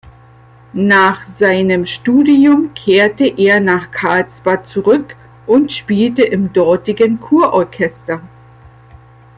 Nach seinem Studium kehrte er nach Karlsbad zurück und spielte im dortigen Kurorchester.